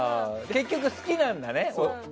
結局、好きなんだね。